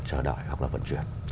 thời gian chờ đợi hoặc là vận chuyển